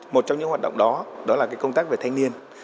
một trong những hoạt động đó đó là công tác về thanh niên